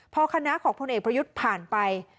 พอคณะของพลเอกประยุทธ์ผ่านไป